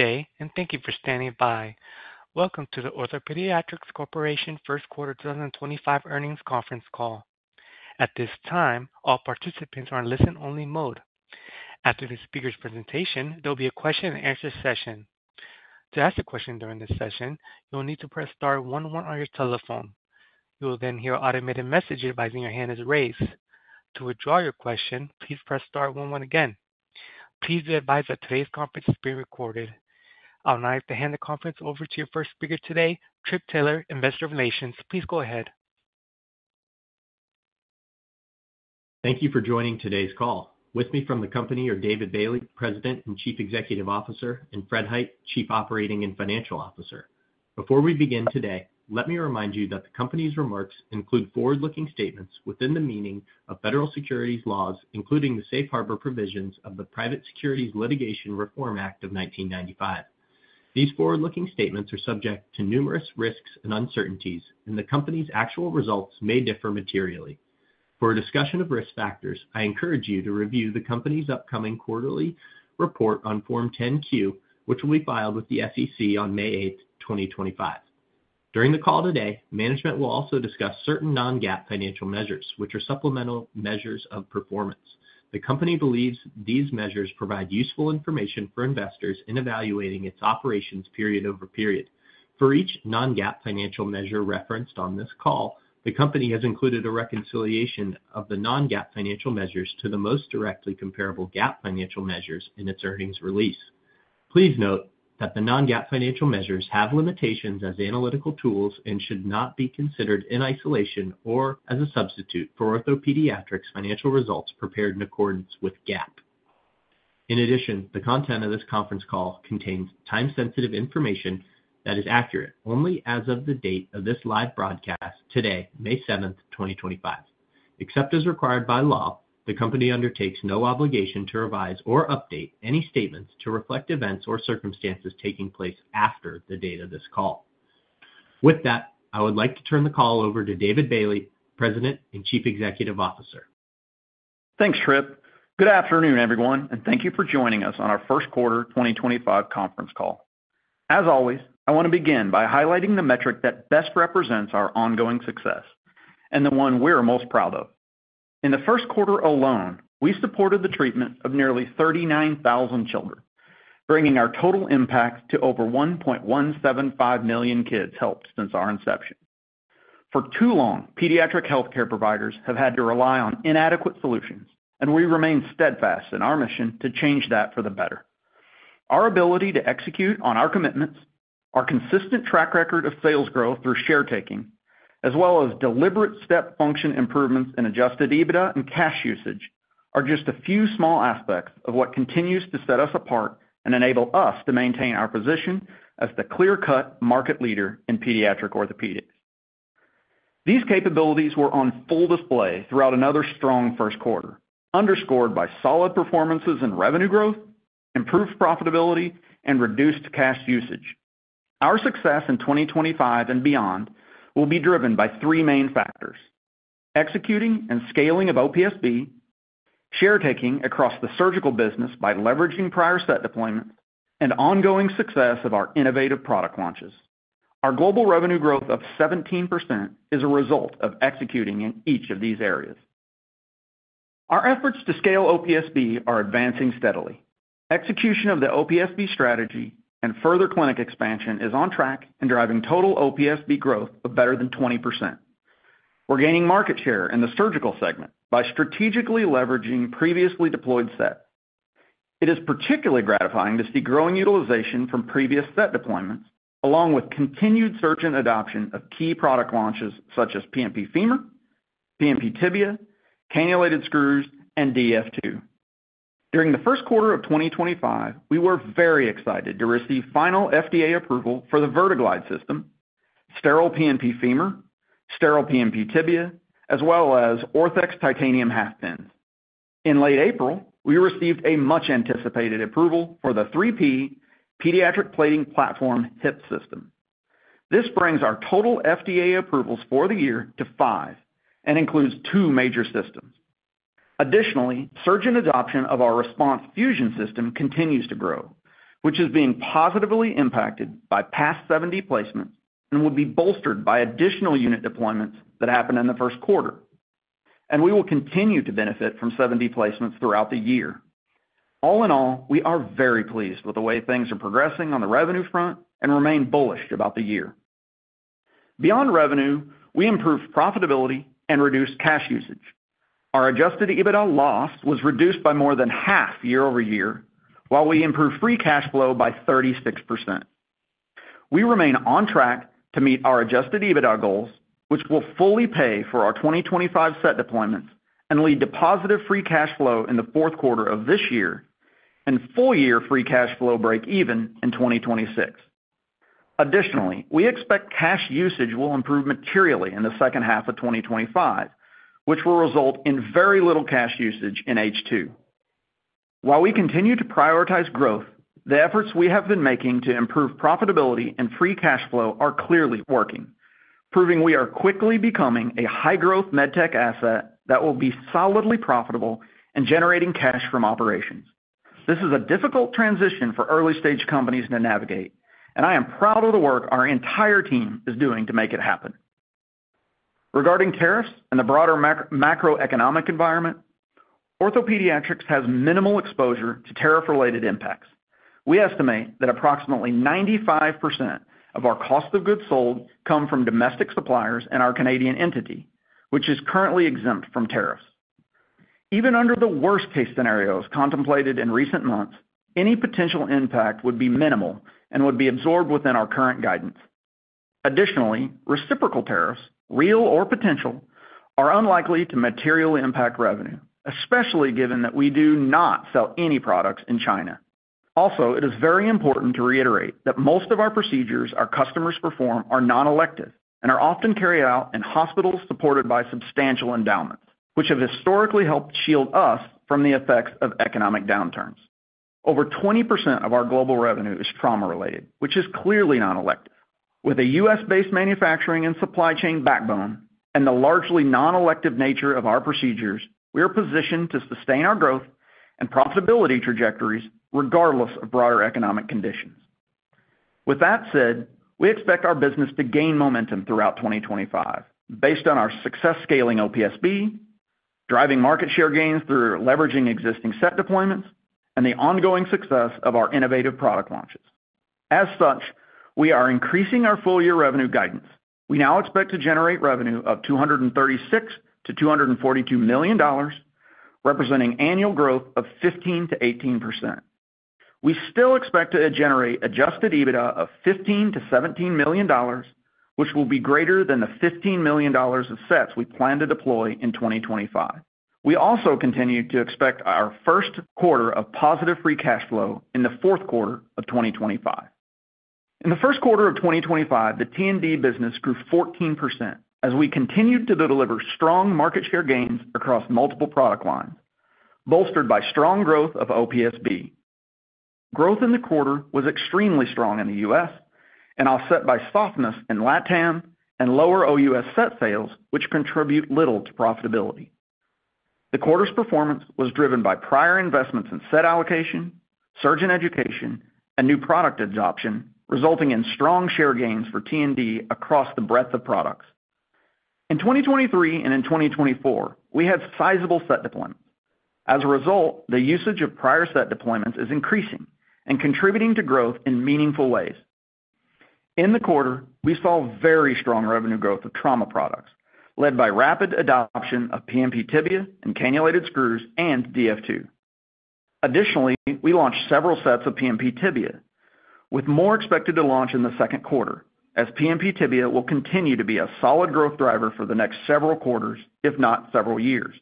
Good day, and thank you for standing by. Welcome to the OrthoPediatrics Corporation First Quarter 2025 Earnings Conference Call. At this time, all participants are in listen-only mode. After the speaker's presentation, there will be a question-and-answer session. To ask a question during this session, you'll need to press star one one on your telephone. You will then hear automated messages advising your hand is raised. To withdraw your question, please press star one one again. Please be advised that today's conference is being recorded. I'd now like to hand the conference over to your first speaker today, Trip Taylor, Investor Relations. Please go ahead. Thank you for joining today's call. With me from the company are David Bailey, President and Chief Executive Officer, and Fred Hite, Chief Operating and Financial Officer. Before we begin today, let me remind you that the company's remarks include forward-looking statements within the meaning of federal securities laws, including the safe harbor provisions of the Private Securities Litigation Reform Act of 1995. These forward-looking statements are subject to numerous risks and uncertainties, and the company's actual results may differ materially. For a discussion of risk factors, I encourage you to review the company's upcoming quarterly report on Form 10-Q, which will be filed with the SEC on May 8th, 2025. During the call today, management will also discuss certain non-GAAP financial measures, which are supplemental measures of performance. The company believes these measures provide useful information for investors in evaluating its operations period over period. For each non-GAAP financial measure referenced on this call, the company has included a reconciliation of the non-GAAP financial measures to the most directly comparable GAAP financial measures in its earnings release. Please note that the non-GAAP financial measures have limitations as analytical tools and should not be considered in isolation or as a substitute for OrthoPediatrics' financial results prepared in accordance with GAAP. In addition, the content of this conference call contains time-sensitive information that is accurate only as of the date of this live broadcast today, May 7th, 2025. Except as required by law, the company undertakes no obligation to revise or update any statements to reflect events or circumstances taking place after the date of this call. With that, I would like to turn the call over to David Bailey, President and Chief Executive Officer. Thanks, Trip. Good afternoon, everyone, and thank you for joining us on our first quarter 2025 conference call. As always, I want to begin by highlighting the metric that best represents our ongoing success and the one we're most proud of. In the first quarter alone, we supported the treatment of nearly 39,000 children, bringing our total impact to over 1.175 million kids helped since our inception. For too long, pediatric healthcare providers have had to rely on inadequate solutions, and we remain steadfast in our mission to change that for the better. Our ability to execute on our commitments, our consistent track record of sales growth through share taking, as well as deliberate step function improvements in adjusted EBITDA and cash usage, are just a few small aspects of what continues to set us apart and enable us to maintain our position as the clear-cut market leader in pediatric orthopedics. These capabilities were on full display throughout another strong first quarter, underscored by solid performances in revenue growth, improved profitability, and reduced cash usage. Our success in 2025 and beyond will be driven by three main factors: executing and scaling of OPSB, share taking across the surgical business by leveraging prior set deployments, and ongoing success of our innovative product launches. Our global revenue growth of 17% is a result of executing in each of these areas. Our efforts to scale OPSB are advancing steadily. Execution of the OPSB strategy and further clinic expansion is on track and driving total OPSB growth of better than 20%. We're gaining market share in the surgical segment by strategically leveraging previously deployed set. It is particularly gratifying to see growing utilization from previous set deployments, along with continued search and adoption of key product launches such as PMP femur, PMP tibia, cannulated screws, and DF2. During the first quarter of 2025, we were very excited to receive final FDA approval for the VerteGlide system, sterile PMP femur, sterile PMP tibia, as well as ORTHEX titanium half pins. In late April, we received a much-anticipated approval for the 3P Pediatric Plating Platform Hip System. This brings our total FDA approvals for the year to five and includes two major systems. Additionally, surgeon adoption of our RESPONSE Fusion system continues to grow, which is being positively impacted by past 70 placements and would be bolstered by additional unit deployments that happened in the first quarter. We will continue to benefit from 70 placements throughout the year. All in all, we are very pleased with the way things are progressing on the revenue front and remain bullish about the year. Beyond revenue, we improved profitability and reduced cash usage. Our adjusted EBITDA loss was reduced by more than half year over year, while we improved free cash flow by 36%. We remain on track to meet our adjusted EBITDA goals, which will fully pay for our 2025 set deployments and lead to positive free cash flow in the fourth quarter of this year and full year free cash flow break even in 2026. Additionally, we expect cash usage will improve materially in the second half of 2025, which will result in very little cash usage in H2. While we continue to prioritize growth, the efforts we have been making to improve profitability and free cash flow are clearly working, proving we are quickly becoming a high-growth med tech asset that will be solidly profitable and generating cash from operations. This is a difficult transition for early-stage companies to navigate, and I am proud of the work our entire team is doing to make it happen. Regarding tariffs and the broader macroeconomic environment, OrthoPediatrics has minimal exposure to tariff-related impacts. We estimate that approximately 95% of our cost of goods sold come from domestic suppliers and our Canadian entity, which is currently exempt from tariffs. Even under the worst-case scenarios contemplated in recent months, any potential impact would be minimal and would be absorbed within our current guidance. Additionally, reciprocal tariffs, real or potential, are unlikely to materially impact revenue, especially given that we do not sell any products in China. Also, it is very important to reiterate that most of our procedures our customers perform are non-elective and are often carried out in hospitals supported by substantial endowments, which have historically helped shield us from the effects of economic downturns. Over 20% of our global revenue is trauma-related, which is clearly non-elective. With a U.S.-based manufacturing and supply chain backbone and the largely non-elective nature of our procedures, we are positioned to sustain our growth and profitability trajectories regardless of broader economic conditions. With that said, we expect our business to gain momentum throughout 2025 based on our success scaling OPSB, driving market share gains through leveraging existing set deployments, and the ongoing success of our innovative product launches. As such, we are increasing our full-year revenue guidance. We now expect to generate revenue of $236 million-$242 million, representing annual growth of 15%-18%. We still expect to generate adjusted EBITDA of $15 million-$17 million, which will be greater than the $15 million of sets we plan to deploy in 2025. We also continue to expect our first quarter of positive free cash flow in the fourth quarter of 2025. In the first quarter of 2025, the T&D business grew 14% as we continued to deliver strong market share gains across multiple product lines, bolstered by strong growth of OPSB. Growth in the quarter was extremely strong in the U.S., and offset by softness in LATAM and lower OUS set sales, which contribute little to profitability. The quarter's performance was driven by prior investments in set allocation, surgeon education, and new product adoption, resulting in strong share gains for T&D across the breadth of products. In 2023 and in 2024, we had sizable set deployments. As a result, the usage of prior set deployments is increasing and contributing to growth in meaningful ways. In the quarter, we saw very strong revenue growth of trauma products, led by rapid adoption of PMP tibia and cannulated screws and DF2. Additionally, we launched several sets of PMP tibia, with more expected to launch in the second quarter, as PMP tibia will continue to be a solid growth driver for the next several quarters, if not several years.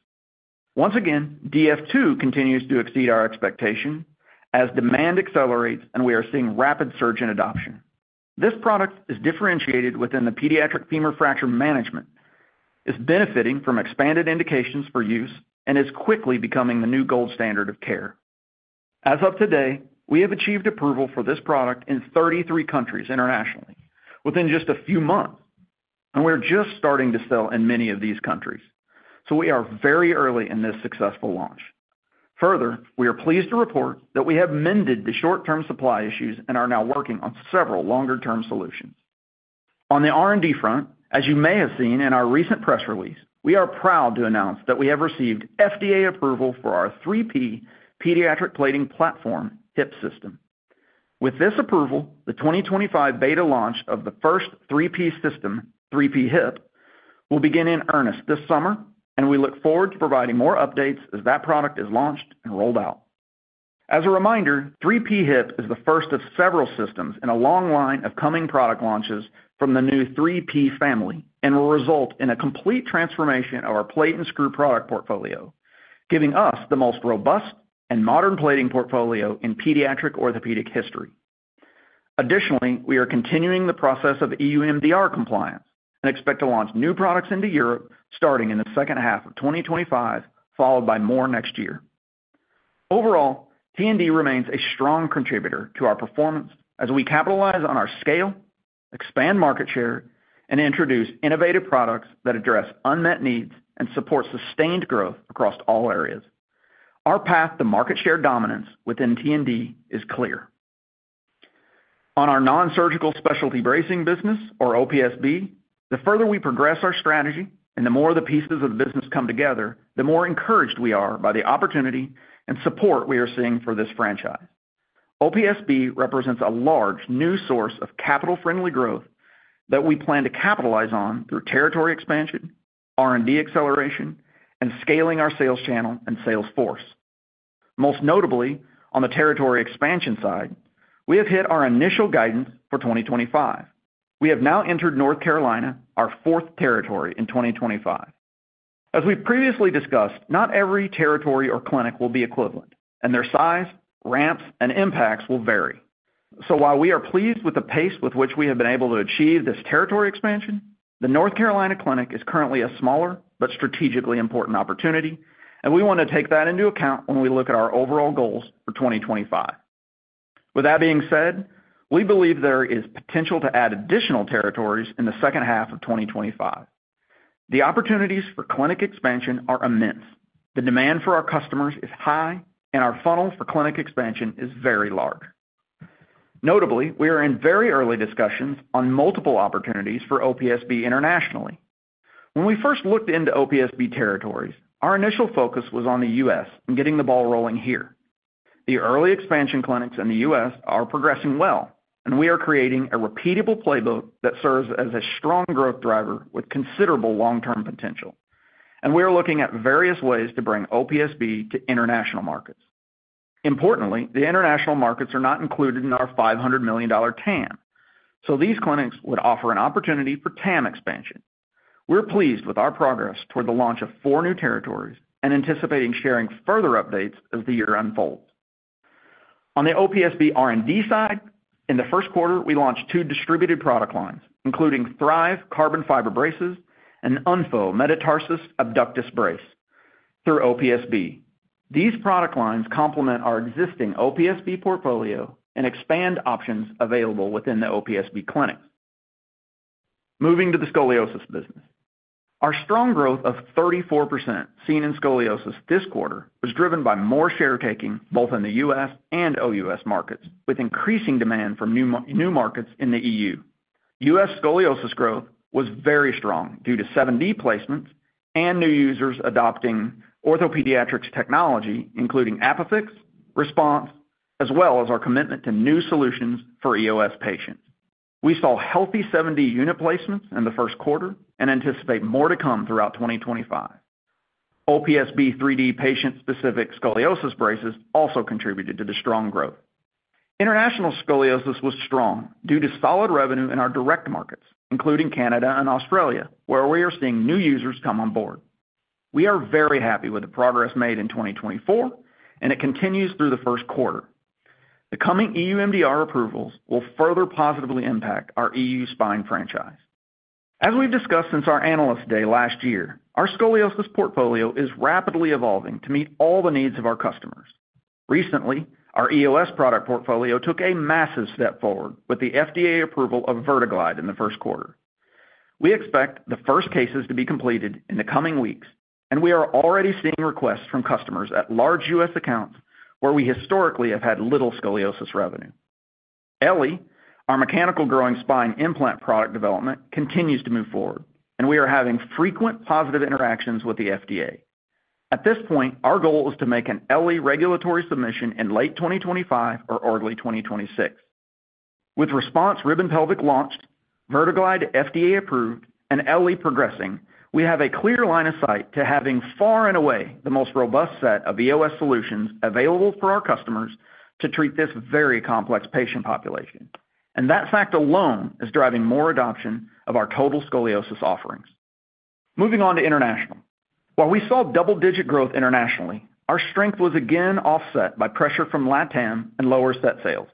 Once again, DF2 continues to exceed our expectation as demand accelerates and we are seeing rapid surge in adoption. This product is differentiated within the pediatric femur fracture management, is benefiting from expanded indications for use, and is quickly becoming the new gold standard of care. As of today, we have achieved approval for this product in 33 countries internationally within just a few months, and we're just starting to sell in many of these countries, so we are very early in this successful launch. Further, we are pleased to report that we have mended the short-term supply issues and are now working on several longer-term solutions. On the R&D front, as you may have seen in our recent press release, we are proud to announce that we have received FDA approval for our 3P Pediatric Plating Platform Hip System. With this approval, the 2025 beta launch of the first 3P system, 3P | Hip, will begin in earnest this summer, and we look forward to providing more updates as that product is launched and rolled out. As a reminder, 3P | Hip is the first of several systems in a long line of coming product launches from the new 3P family and will result in a complete transformation of our plate and screw product portfolio, giving us the most robust and modern plating portfolio in pediatric orthopedic history. Additionally, we are continuing the process of EU MDR compliance and expect to launch new products into Europe starting in the second half of 2025, followed by more next year. Overall, T&D remains a strong contributor to our performance as we capitalize on our scale, expand market share, and introduce innovative products that address unmet needs and support sustained growth across all areas. Our path to market share dominance within T&D is clear. On our non-surgical specialty bracing business, or OPSB, the further we progress our strategy and the more the pieces of the business come together, the more encouraged we are by the opportunity and support we are seeing for this franchise. OPSB represents a large new source of capital-friendly growth that we plan to capitalize on through territory expansion, R&D acceleration, and scaling our sales channel and sales force. Most notably, on the territory expansion side, we have hit our initial guidance for 2025. We have now entered North Carolina, our fourth territory in 2025. As we previously discussed, not every territory or clinic will be equivalent, and their size, ramps, and impacts will vary. While we are pleased with the pace with which we have been able to achieve this territory expansion, the North Carolina clinic is currently a smaller but strategically important opportunity, and we want to take that into account when we look at our overall goals for 2025. With that being said, we believe there is potential to add additional territories in the second half of 2025. The opportunities for clinic expansion are immense. The demand from our customers is high, and our funnel for clinic expansion is very large. Notably, we are in very early discussions on multiple opportunities for OPSB internationally. When we first looked into OPSB territories, our initial focus was on the U.S. and getting the ball rolling here. The early expansion clinics in the U.S. are progressing well, and we are creating a repeatable playbook that serves as a strong growth driver with considerable long-term potential, and we are looking at various ways to bring OPSB to international markets. Importantly, the international markets are not included in our $500 million TAM, so these clinics would offer an opportunity for TAM expansion. We're pleased with our progress toward the launch of four new territories and anticipating sharing further updates as the year unfolds. On the OPSB R&D side, in the first quarter, we launched two distributed product lines, including Thrive Carbon Fiber braces and UNFO metatarsus abductus brace, through OPSB. These product lines complement our existing OPSB portfolio and expand options available within the OPSB clinics. Moving to the scoliosis business, our strong growth of 34% seen in scoliosis this quarter was driven by more share taking both in the U.S. and OUS markets, with increasing demand from new markets in the EU. U.S. scoliosis growth was very strong due to 7D placements and new users adopting OrthoPediatrics technology, including ApiFix RESPONSE, as well as our commitment to new solutions for EOS patients. We saw healthy 7D unit placements in the first quarter and anticipate more to come throughout 2025. OPSB 3D patient-specific scoliosis braces also contributed to the strong growth. International scoliosis was strong due to solid revenue in our direct markets, including Canada and Australia, where we are seeing new users come on board. We are very happy with the progress made in 2024, and it continues through the first quarter. The coming EU MDR approvals will further positively impact our EU Spine franchise. As we've discussed since our analyst day last year, our scoliosis portfolio is rapidly evolving to meet all the needs of our customers. Recently, our EOS product portfolio took a massive step forward with the FDA approval of VerteGlide in the first quarter. We expect the first cases to be completed in the coming weeks, and we are already seeing requests from customers at large U.S. accounts where we historically have had little scoliosis revenue. eLLi, our mechanical growing spine implant product development, continues to move forward, and we are having frequent positive interactions with the FDA. At this point, our goal is to make an eLLi regulatory submission in late 2025 or early 2026. With RESPONSE Rib and Pelvic launched, VerteGlide FDA approved, and eLLi progressing, we have a clear line of sight to having far and away the most robust set of EOS solutions available for our customers to treat this very complex patient population. That fact alone is driving more adoption of our total scoliosis offerings. Moving on to international, while we saw double-digit growth internationally, our strength was again offset by pressure from LATAM and lower set sales.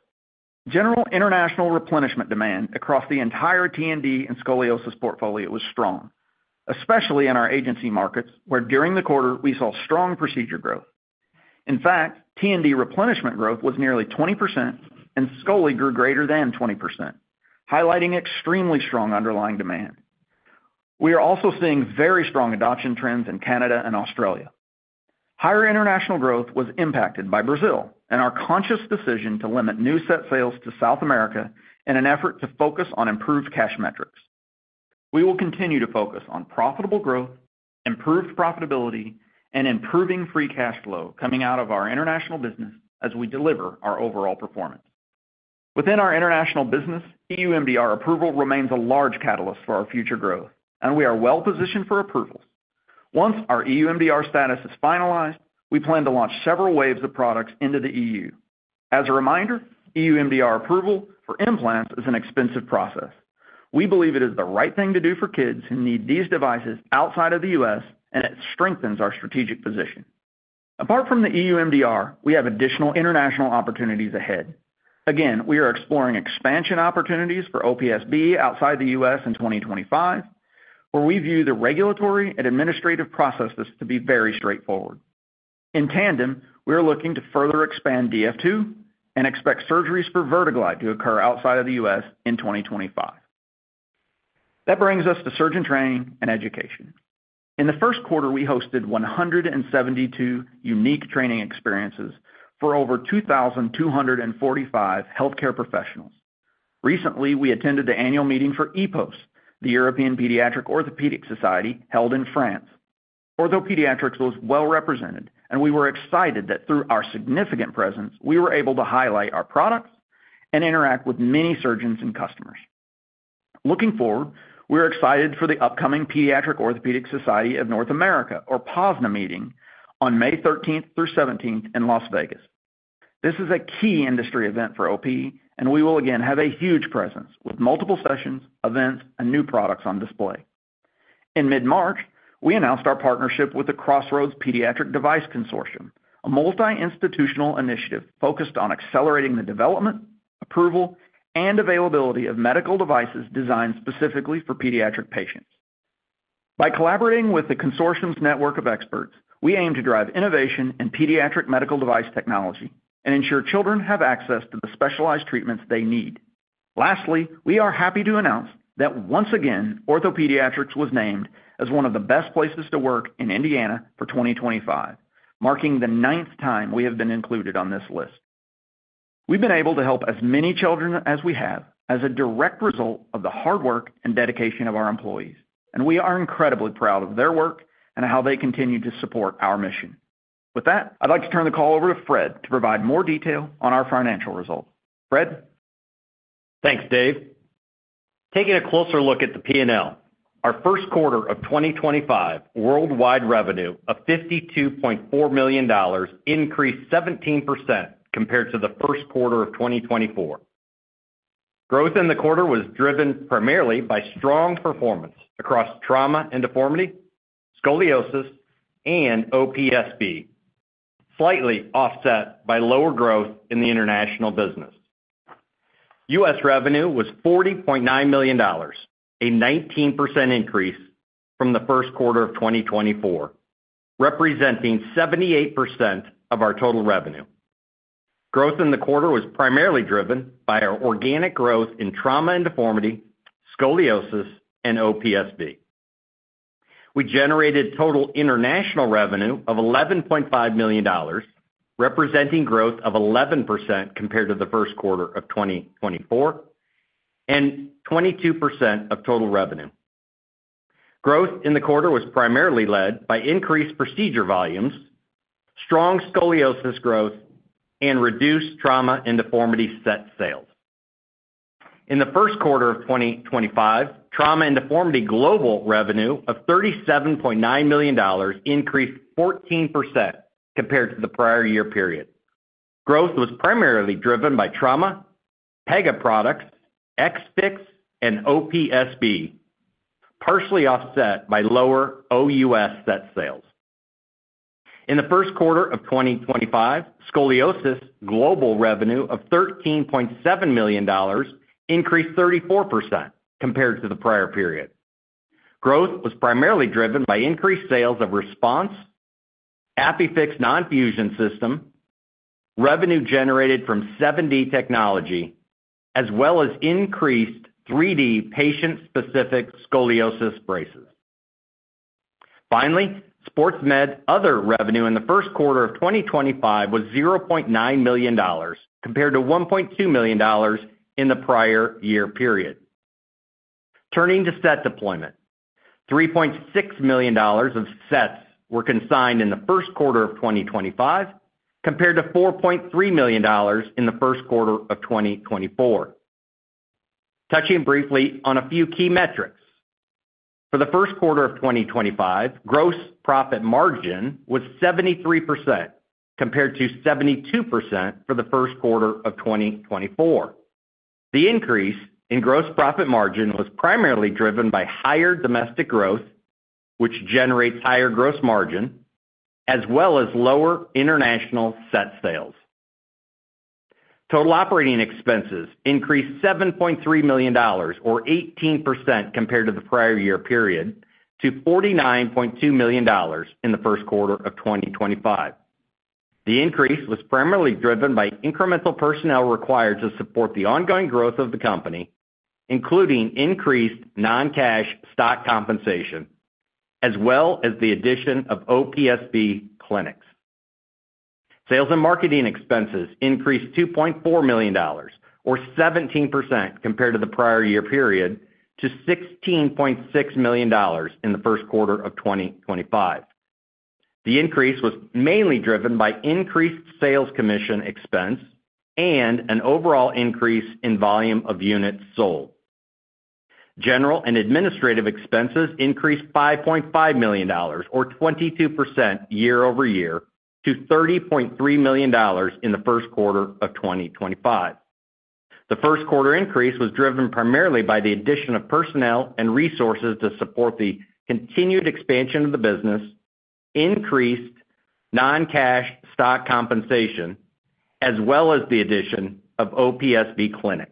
General international replenishment demand across the entire T&D and scoliosis portfolio was strong, especially in our agency markets where during the quarter we saw strong procedure growth. In fact, T&D replenishment growth was nearly 20% and scoli grew greater than 20%, highlighting extremely strong underlying demand. We are also seeing very strong adoption trends in Canada and Australia. Higher international growth was impacted by Brazil and our conscious decision to limit new set sales to South America in an effort to focus on improved cash metrics. We will continue to focus on profitable growth, improved profitability, and improving free cash flow coming out of our international business as we deliver our overall performance. Within our international business, EU MDR approval remains a large catalyst for our future growth, and we are well positioned for approvals. Once our EU MDR status is finalized, we plan to launch several waves of products into the EU. As a reminder, EU MDR approval for implants is an expensive process. We believe it is the right thing to do for kids who need these devices outside of the U.S., and it strengthens our strategic position. Apart from the EU MDR, we have additional international opportunities ahead. Again, we are exploring expansion opportunities for OPSB outside the U.S. in 2025, where we view the regulatory and administrative processes to be very straightforward. In tandem, we are looking to further expand DF2 and expect surgeries for VerteGlide to occur outside of the U.S. in 2025. That brings us to surgeon training and education. In the first quarter, we hosted 172 unique training experiences for over 2,245 healthcare professionals. Recently, we attended the annual meeting for EPOS, the European Pediatric Orthopedic Society held in France. OrthoPediatrics was well represented, and we were excited that through our significant presence, we were able to highlight our products and interact with many surgeons and customers. Looking forward, we are excited for the upcoming Pediatric Orthopedic Society of North America, or POSNA, meeting on May 13th through 17th in Las Vegas. This is a key industry event for OP, and we will again have a huge presence with multiple sessions, events, and new products on display. In mid-March, we announced our partnership with the Crossroads Pediatric Device Consortium, a multi-institutional initiative focused on accelerating the development, approval, and availability of medical devices designed specifically for pediatric patients. By collaborating with the consortium's network of experts, we aim to drive innovation in pediatric medical device technology and ensure children have access to the specialized treatments they need. Lastly, we are happy to announce that once again, OrthoPediatrics was named as one of the best places to work in Indiana for 2025, marking the ninth time we have been included on this list. We've been able to help as many children as we have as a direct result of the hard work and dedication of our employees, and we are incredibly proud of their work and how they continue to support our mission. With that, I'd like to turn the call over to Fred to provide more detail on our financial results. Fred? Thanks, Dave. Taking a closer look at the P&L, our first quarter of 2025 worldwide revenue of $52.4 million increased 17% compared to the first quarter of 2024. Growth in the quarter was driven primarily by strong performance across trauma and deformity, scoliosis, and OPSB, slightly offset by lower growth in the international business. U.S. revenue was $40.9 million, a 19% increase from the first quarter of 2024, representing 78% of our total revenue. Growth in the quarter was primarily driven by our organic growth in trauma and deformity, scoliosis, and OPSB. We generated total international revenue of $11.5 million, representing growth of 11% compared to the first quarter of 2024 and 22% of total revenue. Growth in the quarter was primarily led by increased procedure volumes, strong scoliosis growth, and reduced trauma and deformity set sales. In the first quarter of 2025, trauma and deformity global revenue of $37.9 million increased 14% compared to the prior year period. Growth was primarily driven by trauma, Pega products, Ex-Fix, and OPSB, partially offset by lower OUS set sales. In the first quarter of 2025, scoliosis global revenue of $13.7 million increased 34% compared to the prior period. Growth was primarily driven by increased sales of RESPONSE, ApiFix non-Fusion system, revenue generated from 7D technology, as well as increased 3D patient-specific scoliosis braces. Finally, sports med other revenue in the first quarter of 2025 was $0.9 million compared to $1.2 million in the prior year period. Turning to set deployment, $3.6 million of sets were consigned in the first quarter of 2025 compared to $4.3 million in the first quarter of 2024. Touching briefly on a few key metrics, for the first quarter of 2025, gross profit margin was 73% compared to 72% for the first quarter of 2024. The increase in gross profit margin was primarily driven by higher domestic growth, which generates higher gross margin, as well as lower international set sales. Total operating expenses increased $7.3 million, or 18% compared to the prior year period, to $49.2 million in the first quarter of 2025. The increase was primarily driven by incremental personnel required to support the ongoing growth of the company, including increased non-cash stock compensation, as well as the addition of OPSB clinics. Sales and marketing expenses increased $2.4 million, or 17% compared to the prior year period, to $16.6 million in the first quarter of 2025. The increase was mainly driven by increased sales commission expense and an overall increase in volume of units sold. General and administrative expenses increased $5.5 million, or 22% year over year, to $30.3 million in the first quarter of 2025. The first quarter increase was driven primarily by the addition of personnel and resources to support the continued expansion of the business, increased non-cash stock compensation, as well as the addition of OPSB clinics.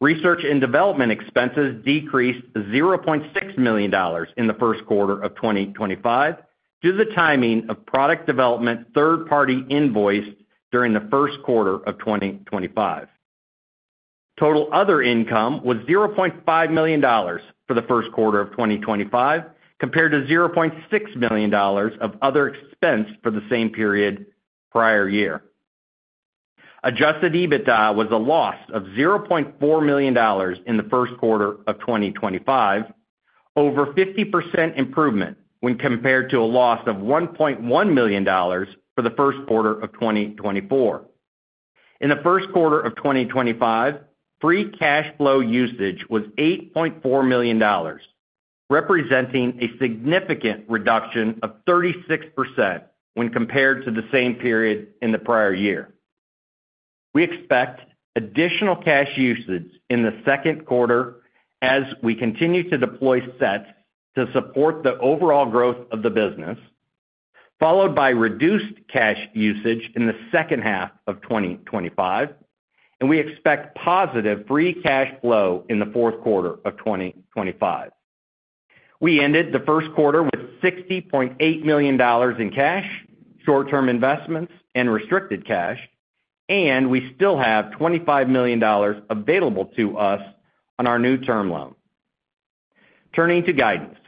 Research and development expenses decreased $0.6 million in the first quarter of 2025 due to the timing of product development third-party invoice during the first quarter of 2025. Total other income was $0.5 million for the first quarter of 2025 compared to $0.6 million of other expense for the same period prior year. Adjusted EBITDA was a loss of $0.4 million in the first quarter of 2025, over 50% improvement when compared to a loss of $1.1 million for the first quarter of 2024. In the first quarter of 2025, free cash flow usage was $8.4 million, representing a significant reduction of 36% when compared to the same period in the prior year. We expect additional cash usage in the second quarter as we continue to deploy sets to support the overall growth of the business, followed by reduced cash usage in the second half of 2025, and we expect positive free cash flow in the fourth quarter of 2025. We ended the first quarter with $60.8 million in cash, short-term investments, and restricted cash, and we still have $25 million available to us on our new term loan. Turning to guidance,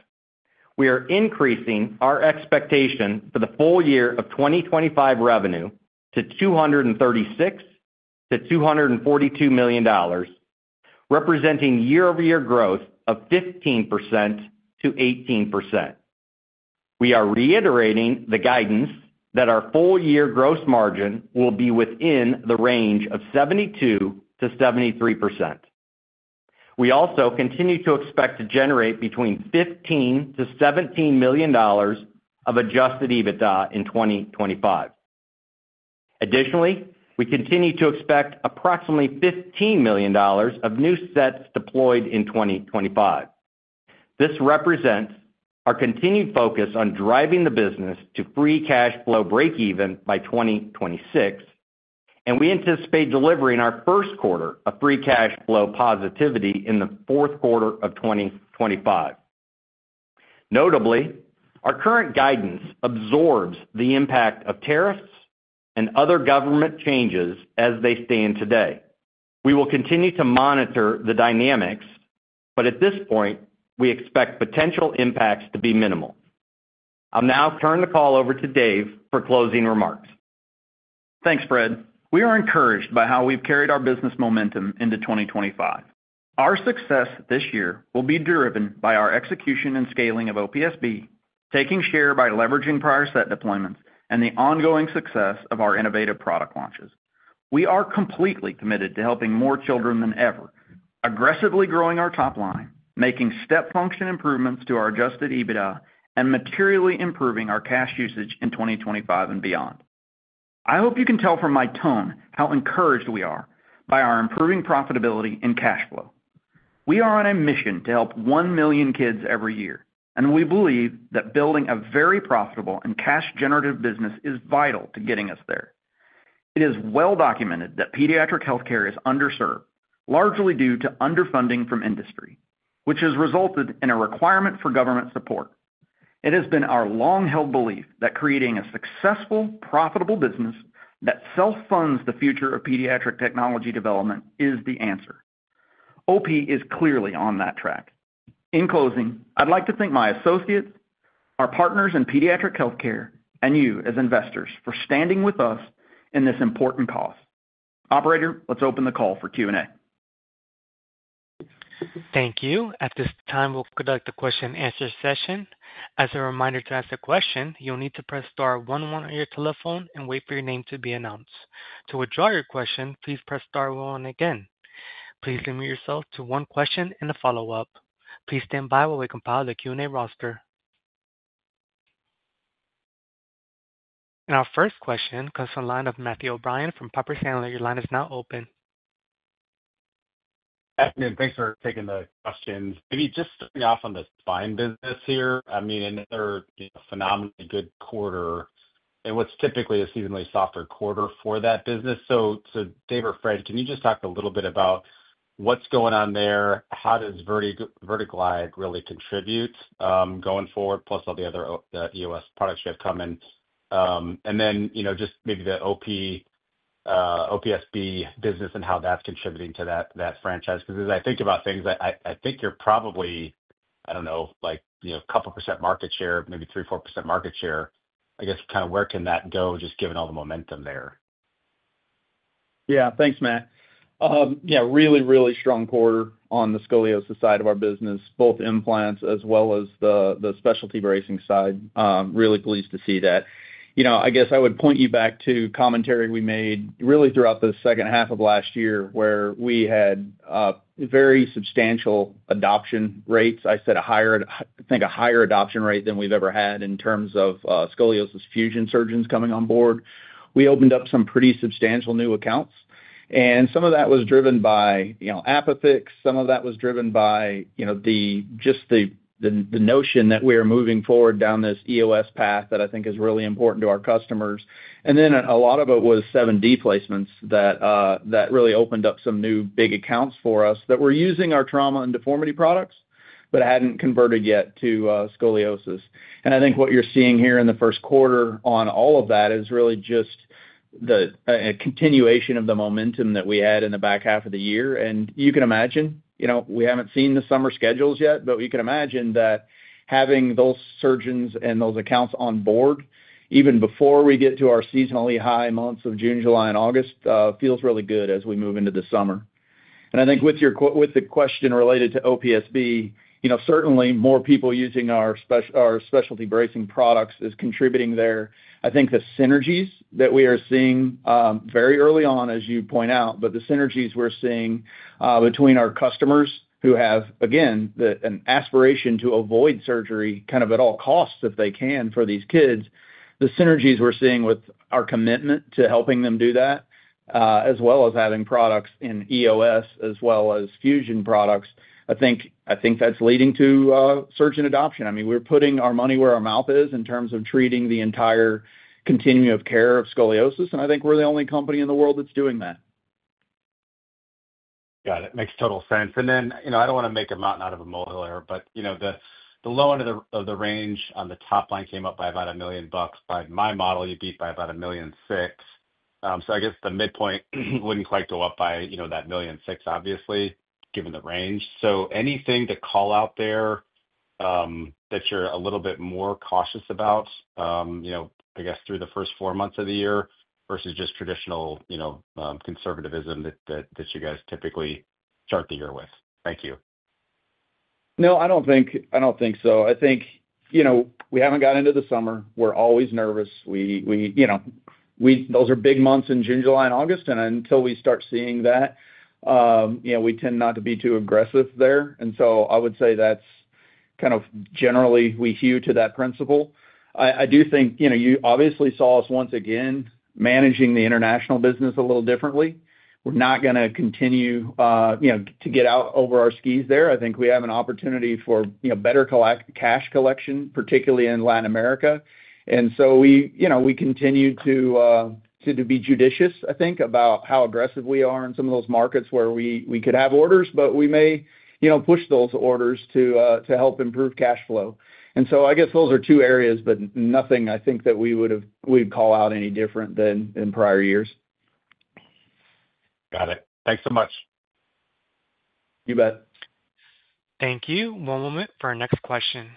we are increasing our expectation for the full year of 2025 revenue to $236 million-$242 million, representing year-over-year growth of 15%-18%. We are reiterating the guidance that our full-year gross margin will be within the range of 72%-73%. We also continue to expect to generate between $15-$17 million of adjusted EBITDA in 2025. Additionally, we continue to expect approximately $15 million of new sets deployed in 2025. This represents our continued focus on driving the business to free cash flow breakeven by 2026, and we anticipate delivering our first quarter of free cash flow positivity in the fourth quarter of 2025. Notably, our current guidance absorbs the impact of tariffs and other government changes as they stand today. We will continue to monitor the dynamics, but at this point, we expect potential impacts to be minimal. I'll now turn the call over to Dave for closing remarks. Thanks, Fred. We are encouraged by how we've carried our business momentum into 2025. Our success this year will be driven by our execution and scaling of OPSB, taking share by leveraging prior set deployments and the ongoing success of our innovative product launches. We are completely committed to helping more children than ever, aggressively growing our top line, making step function improvements to our adjusted EBITDA, and materially improving our cash usage in 2025 and beyond. I hope you can tell from my tone how encouraged we are by our improving profitability and cash flow. We are on a mission to help 1 million kids every year, and we believe that building a very profitable and cash-generative business is vital to getting us there. It is well documented that pediatric healthcare is underserved, largely due to underfunding from industry, which has resulted in a requirement for government support. It has been our long-held belief that creating a successful, profitable business that self-funds the future of pediatric technology development is the answer. OP is clearly on that track. In closing, I'd like to thank my associates, our partners in pediatric healthcare, and you as investors for standing with us in this important cause. Operator, let's open the call for Q&A. Thank you. At this time, we'll conduct the question-and-answer session. As a reminder to ask a question, you'll need to press star one one on your telephone and wait for your name to be announced. To withdraw your question, please press star one one again. Please limit yourself to one question and a follow-up. Please stand by while we compile the Q&A roster. Our first question comes from the line of Matthew OBrien from Piper Sandler. Your line is now open. Thanks for taking the question. Maybe just starting off on the spine business here. I mean, another phenomenally good quarter in what's typically a seasonally softer quarter for that business. Dave or Fred, can you just talk a little bit about what's going on there? How does VerteGlide really contribute going forward, plus all the other EOS products you have coming? And then just maybe the OPSB business and how that's contributing to that franchise. Because as I think about things, I think you're probably, I don't know, a couple percent market share, maybe 3%-4% market share. I guess kind of where can that go, just given all the momentum there? Yeah. Thanks, Matt. Yeah, really, really strong quarter on the scoliosis side of our business, both implants as well as the specialty bracing side. Really pleased to see that. I guess I would point you back to commentary we made really throughout the second half of last year where we had very substantial adoption rates. I said a higher, I think a higher adoption rate than we've ever had in terms of scoliosis Fusion surgeons coming on board. We opened up some pretty substantial new accounts, and some of that was driven by ApiFix. Some of that was driven by just the notion that we are moving forward down this EOS path that I think is really important to our customers. A lot of it was 7D placements that really opened up some new big accounts for us that were using our trauma and deformity products but hadn't converted yet to scoliosis. I think what you're seeing here in the first quarter on all of that is really just the continuation of the momentum that we had in the back half of the year. You can imagine we haven't seen the summer schedules yet, but you can imagine that having those surgeons and those accounts on board even before we get to our seasonally high months of June, July, and August feels really good as we move into the summer. I think with the question related to OPSB, certainly more people using our specialty bracing products is contributing there. I think the synergies that we are seeing very early on, as you point out, but the synergies we're seeing between our customers who have, again, an aspiration to avoid surgery kind of at all costs if they can for these kids, the synergies we're seeing with our commitment to helping them do that, as well as having products in EOS as well as Fusion products, I think that's leading to surgeon adoption. I mean, we're putting our money where our mouth is in terms of treating the entire continuum of care of scoliosis, and I think we're the only company in the world that's doing that. Got it. Makes total sense. I don't want to make a mountain out of a molehill here, but the low end of the range on the top line came up by about $1 million. By my model, you beat by about $1.6 million. I guess the midpoint wouldn't quite go up by that $1.6 million, obviously, given the range. Anything to call out there that you are a little bit more cautious about, I guess, through the first four months of the year versus just traditional conservatism that you guys typically start the year with? Thank you. No, I do not think so. I think we haven't gotten into the summer. We are always nervous. Those are big months in June, July, and August, and until we start seeing that, we tend not to be too aggressive there. I would say that is kind of generally we hew to that principle. I do think you obviously saw us once again managing the international business a little differently. We are not going to continue to get out over our skis there. I think we have an opportunity for better cash collection, particularly in Latin America. We continue to be judicious, I think, about how aggressive we are in some of those markets where we could have orders, but we may push those orders to help improve cash flow. I guess those are two areas, but nothing I think that we would call out any different than in prior years. Got it. Thanks so much. You bet. Thank you. One moment for our next question.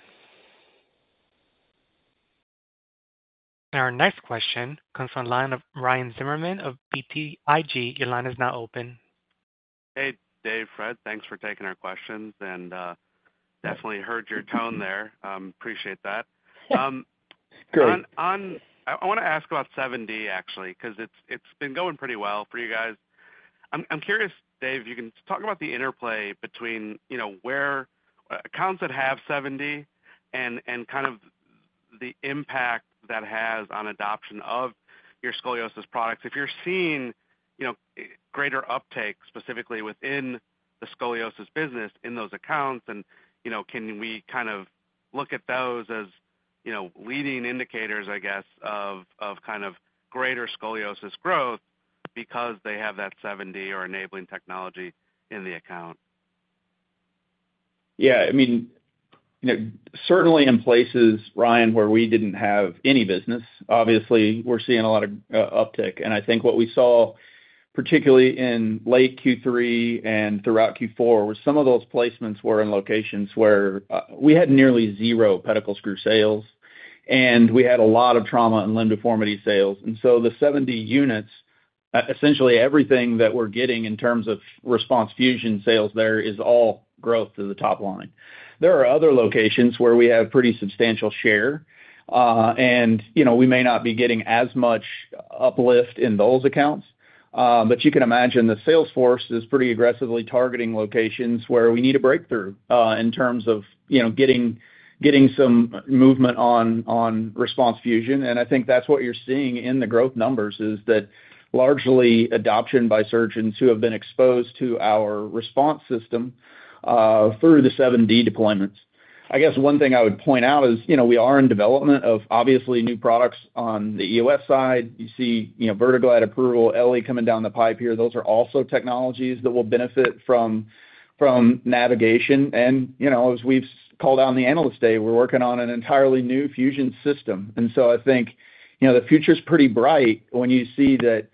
Our next question comes from the line of Ryan Zimmerman of BTIG. Your line is now open. Hey, Dave, Fred, thanks for taking our questions, and definitely heard your tone there. Appreciate that. I want to ask about 7D, actually, because it's been going pretty well for you guys. I'm curious, Dave, if you can talk about the interplay between accounts that have 7D and kind of the impact that has on adoption of your scoliosis products. If you're seeing greater uptake, specifically within the scoliosis business in those accounts, and can we kind of look at those as leading indicators, I guess, of kind of greater scoliosis growth because they have that 7D or enabling technology in the account? Yeah. I mean, certainly in places, Ryan, where we didn't have any business, obviously, we're seeing a lot of uptick. I think what we saw, particularly in late Q3 and throughout Q4, was some of those placements were in locations where we had nearly zero pedicle screw sales, and we had a lot of trauma and limb deformity sales. The 7D units, essentially everything that we're getting in terms of RESPONSE Fusion sales there is all growth to the top line. There are other locations where we have pretty substantial share, and we may not be getting as much uplift in those accounts, but you can imagine the sales force is pretty aggressively targeting locations where we need a breakthrough in terms of getting some movement on RESPONSE Fusion. I think that's what you're seeing in the growth numbers, is that largely adoption by surgeons who have been exposed to our RESPONSE system through the 7D deployments. I guess one thing I would point out is we are in development of, obviously, new products on the EOS side. You see VerteGlide approval, eLLi coming down the pipe here. Those are also technologies that will benefit from navigation. As we've called on the analyst today, we're working on an entirely new Fusion system. I think the future is pretty bright when you see that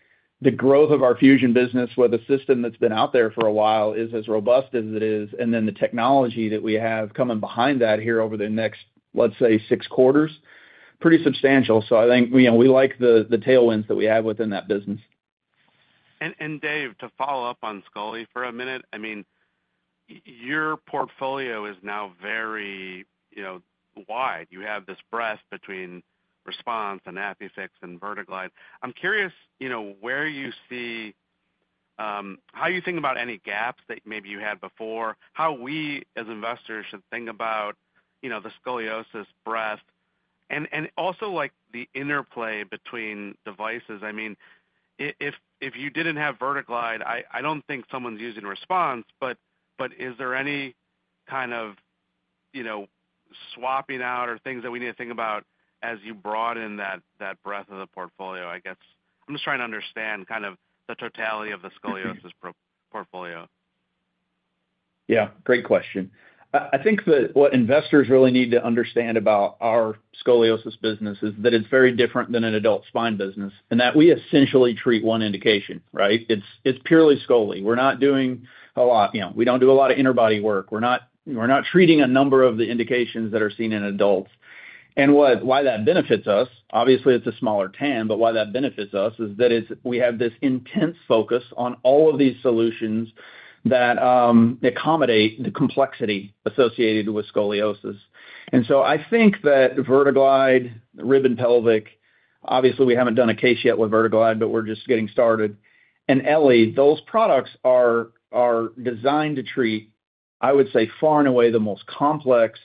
the growth of our Fusion business with a system that's been out there for a while is as robust as it is. The technology that we have coming behind that here over the next, let's say, six quarters, is pretty substantial. I think we like the tailwinds that we have within that business. Dave, to follow up on scoliosis for a minute, I mean, your portfolio is now very wide. You have this breadth between RESPONSE and ApiFix and VerteGlide. I'm curious where you see how you think about any gaps that maybe you had before, how we as investors should think about the scoliosis breadth, and also the interplay between devices. I mean, if you didn't have VerteGlide, I don't think someone's using RESPONSE, but is there any kind of swapping out or things that we need to think about as you broaden that breadth of the portfolio? I guess I'm just trying to understand kind of the totality of the scoliosis portfolio. Yeah. Great question. I think that what investors really need to understand about our scoliosis business is that it's very different than an adult spine business and that we essentially treat one indication, right? It's purely scoliosis. We're not doing a lot; we don't do a lot of interbody work. We're not treating a number of the indications that are seen in adults. Why that benefits us, obviously, it's a smaller TAM, but why that benefits us is that we have this intense focus on all of these solutions that accommodate the complexity associated with scoliosis. I think that VerteGlide, Rib and Pelvic, obviously, we have not done a case yet with VerteGlide, but we are just getting started. And eLLi, those products are designed to treat, I would say, far and away the most complex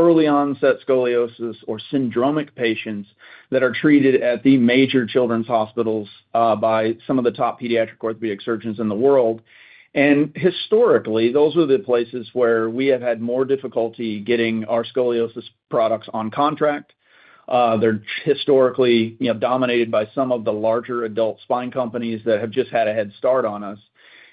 early-onset scoliosis or syndromic patients that are treated at the major children's hospitals by some of the top pediatric orthopedic surgeons in the world. Historically, those are the places where we have had more difficulty getting our scoliosis products on contract. They are historically dominated by some of the larger adult spine companies that have just had a head start on us.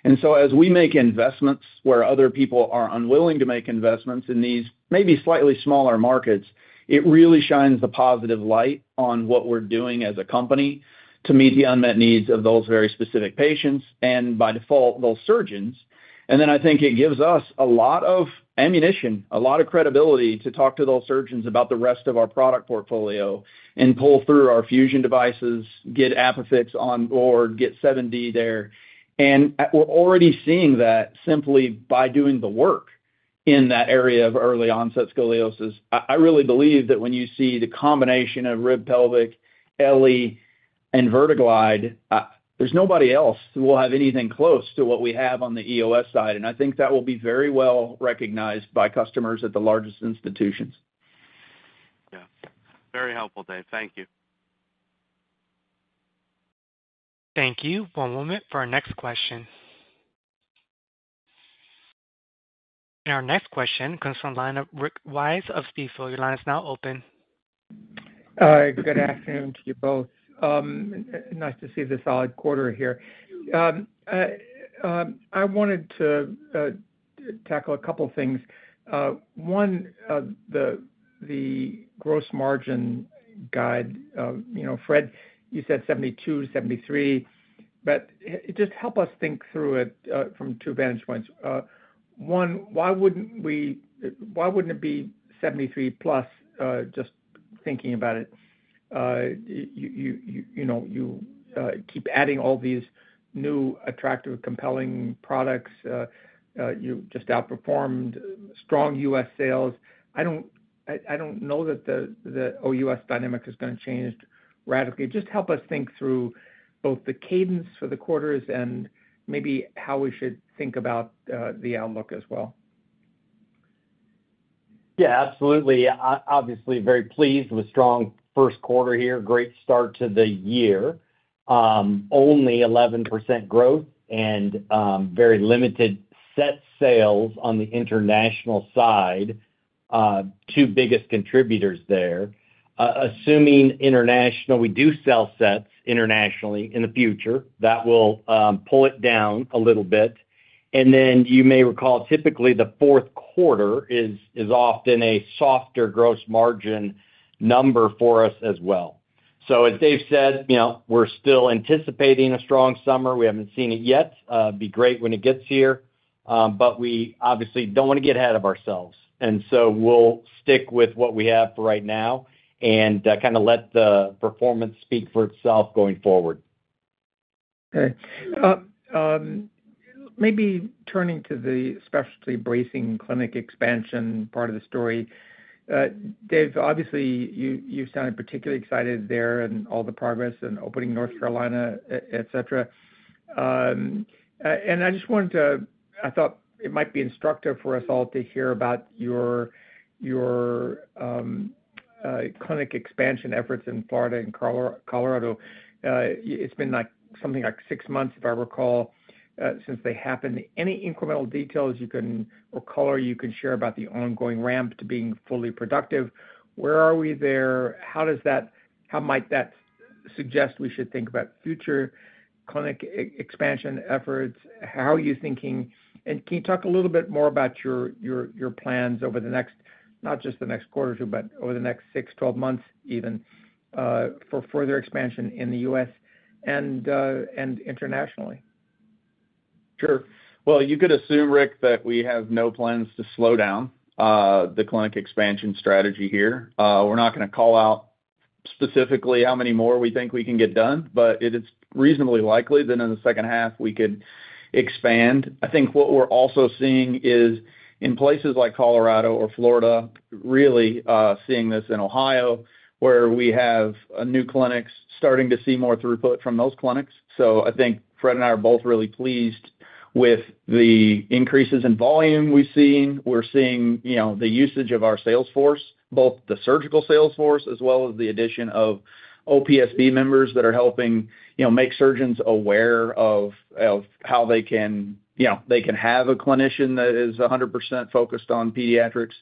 As we make investments where other people are unwilling to make investments in these maybe slightly smaller markets, it really shines the positive light on what we are doing as a company to meet the unmet needs of those very specific patients and, by default, those surgeons. I think it gives us a lot of ammunition, a lot of credibility to talk to those surgeons about the rest of our product portfolio and pull through our Fusion devices, get ApiFix on board, get 7D there. We're already seeing that simply by doing the work in that area of early-onset scoliosis. I really believe that when you see the combination of Rib, Pelvic, eLLi, and VerteGlide, there's nobody else who will have anything close to what we have on the EOS side. I think that will be very well recognized by customers at the largest institutions. Yeah. Very helpful, Dave. Thank you. Thank you. One moment for our next question. Our next question comes from the line of Rick Wise of Stifel. Your line is now open. Good afternoon to you both. Nice to see the solid quarter here. I wanted to tackle a couple of things. One, the gross margin guide, Fred, you said 72%-73%, but just help us think through it from two vantage points. One, why wouldn't it be +73%, just thinking about it? You keep adding all these new attractive, compelling products. You just outperformed strong U.S. sales. I don't know that the OUS dynamic is going to change radically. Just help us think through both the cadence for the quarters and maybe how we should think about the outlook as well. Yeah, absolutely. Obviously, very pleased with strong first quarter here. Great start to the year. Only 11% growth and very limited set sales on the international side, two biggest contributors there. Assuming international, we do sell sets internationally in the future. That will pull it down a little bit. You may recall, typically, the fourth quarter is often a softer gross margin number for us as well. As Dave said, we're still anticipating a strong summer. We haven't seen it yet. It'd be great when it gets here, but we obviously don't want to get ahead of ourselves. We'll stick with what we have for right now and kind of let the performance speak for itself going forward. Okay. Maybe turning to the specialty bracing clinic expansion part of the story. Dave, obviously, you sounded particularly excited there and all the progress and opening North Carolina, etc. I just wanted to, I thought it might be instructive for us all to hear about your clinic expansion efforts in Florida and Colorado. It's been something like six months, if I recall, since they happened. Any incremental details or color you can share about the ongoing ramp to being fully productive? Where are we there? How might that suggest we should think about future clinic expansion efforts? How are you thinking? Can you talk a little bit more about your plans over the next, not just the next quarter or two, but over the next six, 12 months even, for further expansion in the U.S. and internationally? Sure. You could assume, Rick, that we have no plans to slow down the clinic expansion strategy here. We're not going to call out specifically how many more we think we can get done, but it is reasonably likely that in the second half, we could expand. I think what we're also seeing is, in places like Colorado or Florida, really seeing this in Ohio, where we have new clinics starting to see more throughput from those clinics. I think Fred and I are both really pleased with the increases in volume we've seen. We're seeing the usage of our sales force, both the surgical sales force as well as the addition of OPSB members that are helping make surgeons aware of how they can have a clinician that is 100% focused on pediatrics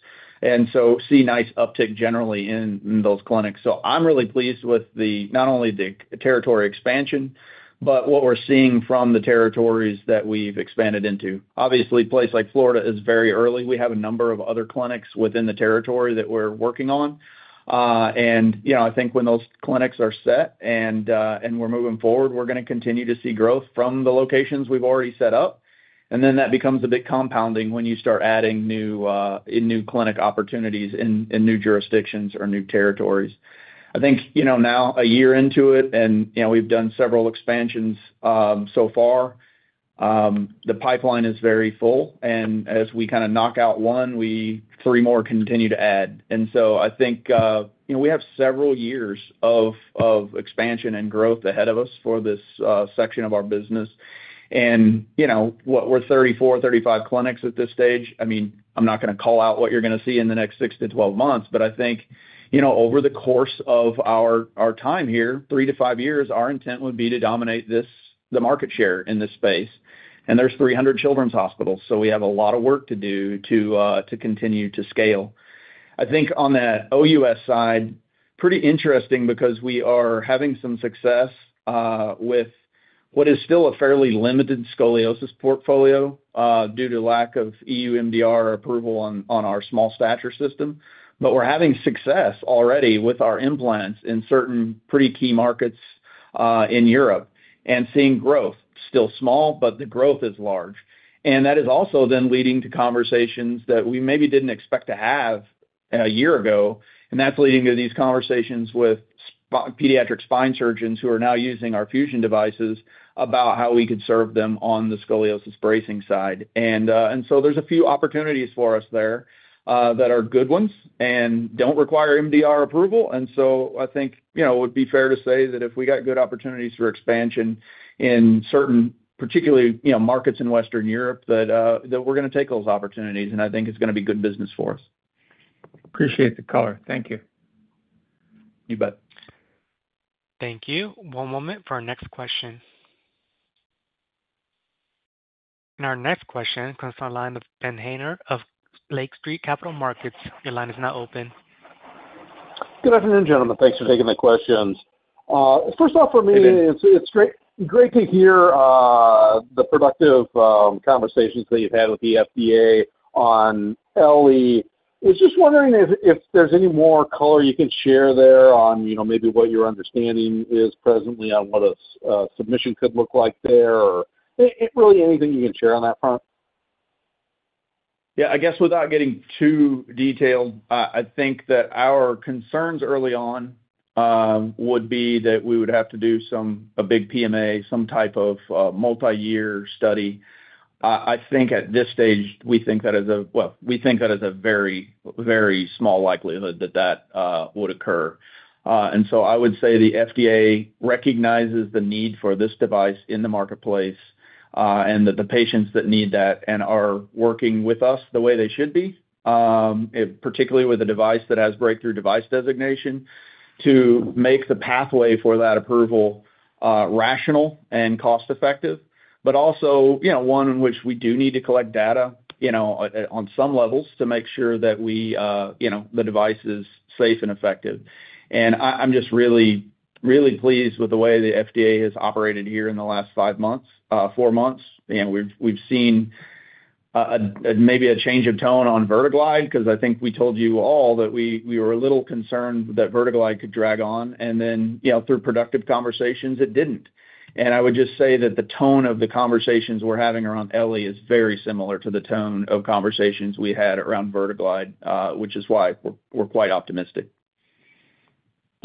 and see a nice uptick generally in those clinics. I'm really pleased with not only the territory expansion, but what we're seeing from the territories that we've expanded into. Obviously, a place like Florida is very early. We have a number of other clinics within the territory that we're working on. I think when those clinics are set and we're moving forward, we're going to continue to see growth from the locations we've already set up. That becomes a bit compounding when you start adding new clinic opportunities in new jurisdictions or new territories. I think now a year into it, and we've done several expansions so far. The pipeline is very full. As we kind of knock out one, three more continue to add. I think we have several years of expansion and growth ahead of us for this section of our business. We're 34-35 clinics at this stage. I mean, I'm not going to call out what you're going to see in the next six to 12 months, but I think over the course of our time here, three to five years, our intent would be to dominate the market share in this space. There are 300 children's hospitals, so we have a lot of work to do to continue to scale. I think on the OUS side, pretty interesting because we are having some success with what is still a fairly limited scoliosis portfolio due to lack of EU MDR approval on our small stature system. We are having success already with our implants in certain pretty key markets in Europe and seeing growth. Still small, but the growth is large. That is also then leading to conversations that we maybe didn't expect to have a year ago. That's leading to these conversations with pediatric spine surgeons who are now using our Fusion devices about how we could serve them on the scoliosis bracing side. There are a few opportunities for us there that are good ones and don't require MDR approval. I think it would be fair to say that if we got good opportunities for expansion in certain particularly markets in Western Europe, that we're going to take those opportunities. I think it's going to be good business for us. Appreciate the color. Thank you. You bet. Thank you. One moment for our next question. Our next question comes from the line of Ben Haner of Lake Street Capital Markets. Your line is now open. Good afternoon, gentlemen. Thanks for taking the questions. First off, for me, it's great to hear the productive conversations that you've had with the FDA on eLLi. I was just wondering if there's any more color you can share there on maybe what your understanding is presently on what a submission could look like there or really anything you can share on that front. Yeah. I guess without getting too detailed, I think that our concerns early on would be that we would have to do a big PMA, some type of multi-year study. I think at this stage, we think that as a very, very small likelihood that that would occur. I would say the FDA recognizes the need for this device in the marketplace and that the patients that need that and are working with us the way they should be, particularly with a device that has breakthrough device designation, to make the pathway for that approval rational and cost-effective, but also one in which we do need to collect data on some levels to make sure that the device is safe and effective. I'm just really, really pleased with the way the FDA has operated here in the last five months, four months. We've seen maybe a change of tone on VerteGlide because I think we told you all that we were a little concerned that VerteGlide could drag on. Then through productive conversations, it did not. I would just say that the tone of the conversations we're having around eLLi is very similar to the tone of conversations we had around VerteGlide, which is why we're quite optimistic.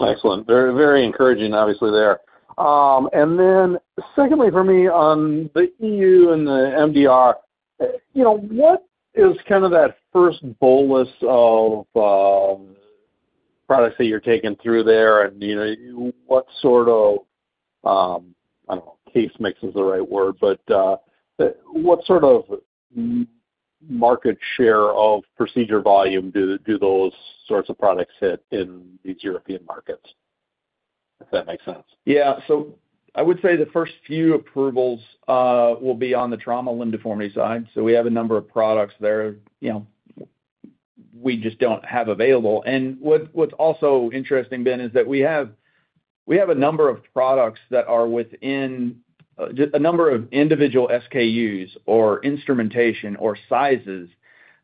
Excellent. Very encouraging, obviously, there. Secondly, for me, on the EU and the MDR, what is kind of that first bolus of products that you're taking through there? What sort of, I don't know if case mix is the right word, but what sort of market share of procedure volume do those sorts of products hit in these European markets, if that makes sense? Yeah. I would say the first few approvals will be on the trauma limb deformity side. We have a number of products there we just don't have available. What's also interesting, Ben, is that we have a number of products that are within a number of individual SKUs or instrumentation or sizes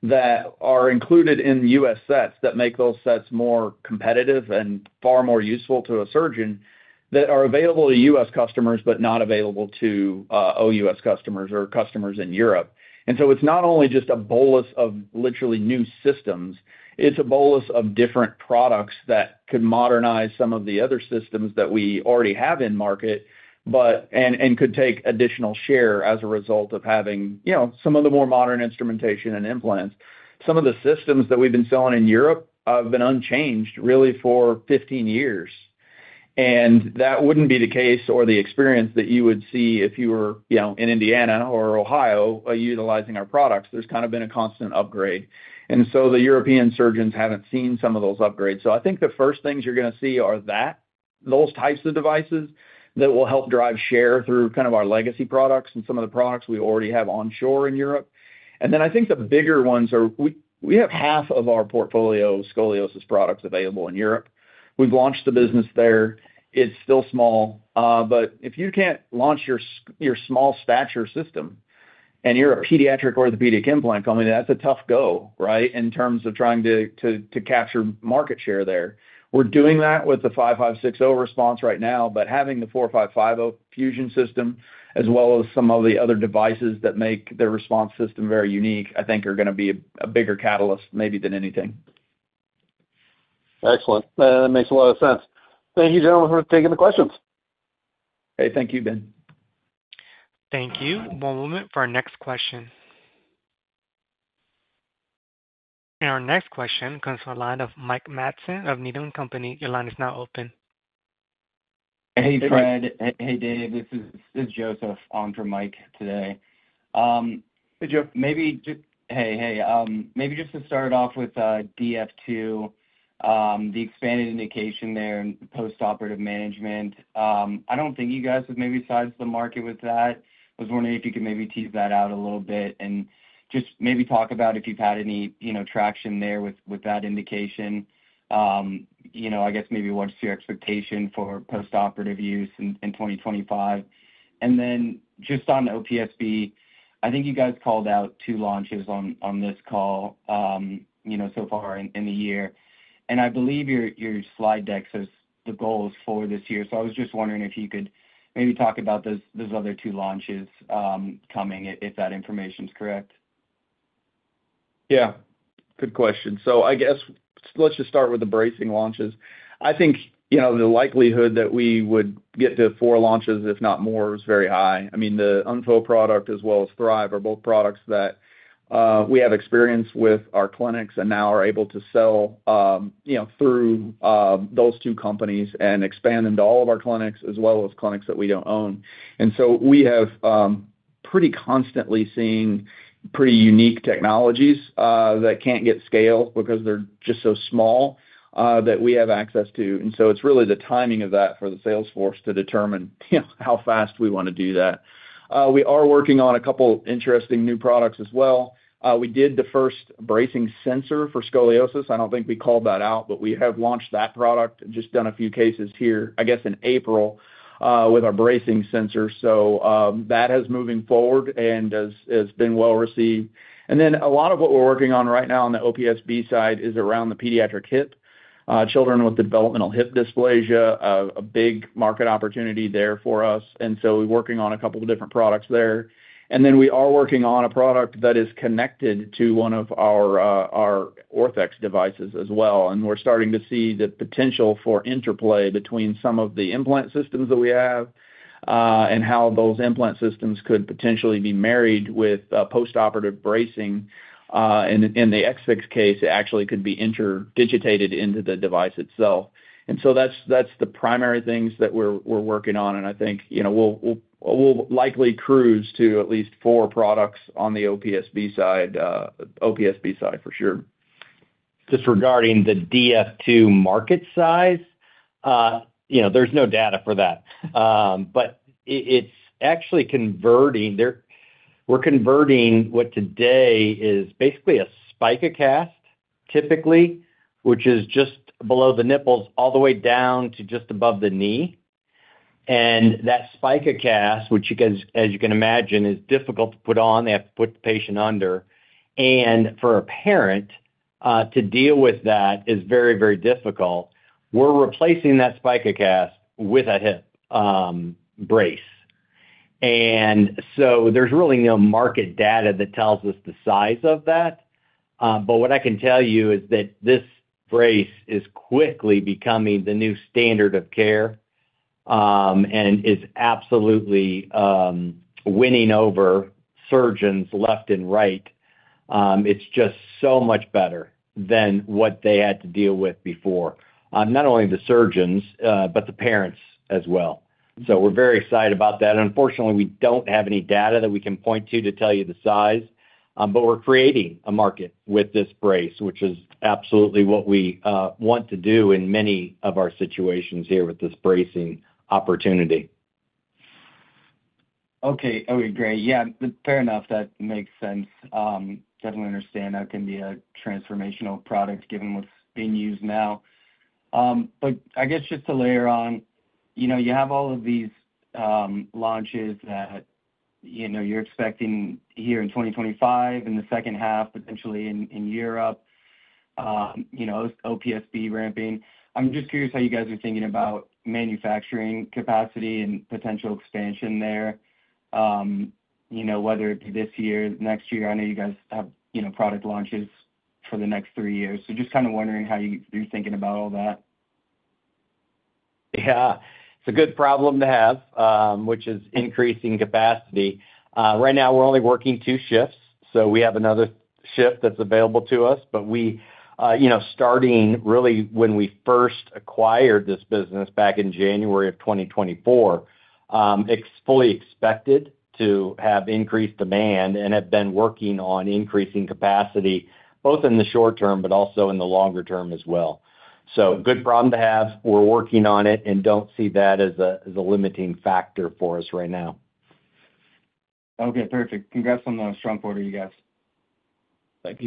that are included in the U.S. sets that make those sets more competitive and far more useful to a surgeon that are available to U.S. customers but not available to OUS customers or customers in Europe. It is not only just a bolus of literally new systems. It's a bolus of different products that could modernize some of the other systems that we already have in market and could take additional share as a result of having some of the more modern instrumentation and implants. Some of the systems that we've been selling in Europe have been unchanged really for 15 years. That wouldn't be the case or the experience that you would see if you were in Indiana or Ohio utilizing our products. There's kind of been a constant upgrade. The European surgeons haven't seen some of those upgrades. I think the first things you are going to see are those types of devices that will help drive share through kind of our legacy products and some of the products we already have onshore in Europe. I think the bigger ones are we have half of our portfolio of scoliosis products available in Europe. We've launched the business there. It's still small. But if you can't launch your small stature system and you're a pediatric orthopedic implant company, that's a tough go, right, in terms of trying to capture market share there. We're doing that with the 5.5/6.0 RESPONSE right now, but having the 4.5/5.0 Fusion system as well as some of the other devices that make the RESPONSE system very unique, I think, are going to be a bigger catalyst maybe than anything. Excellent. That makes a lot of sense. Thank you, gentlemen, for taking the questions. Okay. Thank you, Ben. Thank you. One moment for our next question. And our next question comes from the line of Mike Matson of Needham & Company. Your line is now open. Hey, Fred. Hey, Dave. This is Joseph on for Mike today. Hey, Jeff. Hey. Maybe just to start off with DF2, the expanded indication there in post-operative management. I don't think you guys have maybe sized the market with that. I was wondering if you could maybe tease that out a little bit and just maybe talk about if you've had any traction there with that indication. I guess maybe what's your expectation for post-operative use in 2025? And then just on OPSB, I think you guys called out two launches on this call so far in the year. I believe your slide deck says the goals for this year. I was just wondering if you could maybe talk about those other two launches coming, if that information's correct. Yeah. Good question. I guess let's just start with the bracing launches. I think the likelihood that we would get to four launches, if not more, is very high. I mean, the UNFO product as well as Thrive are both products that we have experience with our clinics and now are able to sell through those two companies and expand into all of our clinics as well as clinics that we do not own. We have pretty constantly seen pretty unique technologies that can't get scaled because they are just so small that we have access to. It is really the timing of that for the sales force to determine how fast we want to do that. We are working on a couple of interesting new products as well. We did the first bracing sensor for scoliosis. I don't think we called that out, but we have launched that product and just done a few cases here, I guess, in April with our bracing sensor. That is moving forward and has been well received. A lot of what we're working on right now on the OPSB side is around the pediatric hip, children with developmental hip dysplasia, a big market opportunity there for us. We're working on a couple of different products there. We are working on a product that is connected to one of our ORTHEX devices as well. We're starting to see the potential for interplay between some of the implant systems that we have and how those implant systems could potentially be married with post-operative bracing. In the Ex-Fix case, it actually could be interdigitated into the device itself. That's the primary things that we're working on. I think we'll likely cruise to at least four products on the OPSB side for sure. Just regarding the DF2 market size, there's no data for that. It's actually converting, we're converting what today is basically a spica cast, typically, which is just below the nipples all the way down to just above the knee. That spica cast, which, as you can imagine, is difficult to put on. They have to put the patient under. For a parent to deal with that is very, very difficult. We're replacing that spica cast with a hip brace. There is really no market data that tells us the size of that. What I can tell you is that this brace is quickly becoming the new standard of care and is absolutely winning over surgeons left and right. It's just so much better than what they had to deal with before, not only the surgeons, but the parents as well. We are very excited about that. Unfortunately, we don't have any data that we can point to to tell you the size, but we're creating a market with this brace, which is absolutely what we want to do in many of our situations here with this bracing opportunity. Okay. Great. Yeah. Fair enough. That makes sense. Definitely understand that can be a transformational product given what's being used now. I guess just to layer on, you have all of these launches that you're expecting here in 2025 in the second half, potentially in Europe, OPSB ramping. I'm just curious how you guys are thinking about manufacturing capacity and potential expansion there, whether it's this year, next year. I know you guys have product launches for the next three years. Just kind of wondering how you're thinking about all that. Yeah. It's a good problem to have, which is increasing capacity. Right now, we're only working two shifts. We have another shift that's available to us. Starting really when we first acquired this business back in January of 2024, it's fully expected to have increased demand and have been working on increasing capacity both in the short term but also in the longer term as well. Good problem to have. We're working on it and don't see that as a limiting factor for us right now. Okay. Perfect. Congrats on the strong quarter, you guys. Thank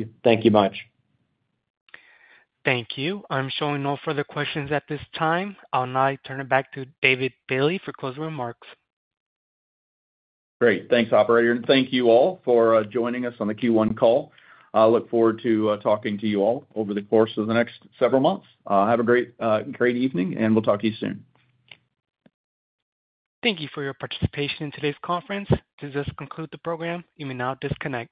you. Thank you much. Thank you. I'm showing no further questions at this time. I'll now turn it back to David Bailey for closing remarks. Great. Thanks, operator. Thank you all for joining us on the Q1 call. I look forward to talking to you all over the course of the next several months. Have a great evening, and we'll talk to you soon. Thank you for your participation in today's conference. To just conclude the program, you may now disconnect.